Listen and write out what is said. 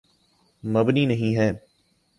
مبنی نہیں ہے۔